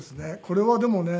これはでもね。